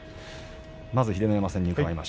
まず秀ノ山さんに伺います。